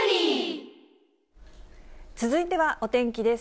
続いてはお天気です。